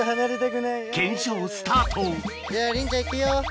検証スタートリンちゃん行くよ。